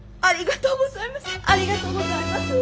ありがとうございます！